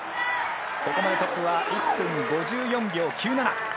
ここまでトップは１分５４秒９７。